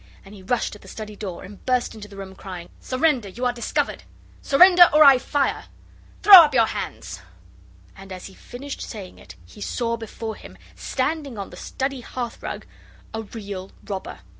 and he rushed at the study door and burst into the room, crying, 'Surrender! you are discovered! Surrender, or I fire! Throw up your hands!' And, as he finished saying it, he saw before him, standing on the study hearthrug, a Real Robber.